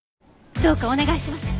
どうかお願いします。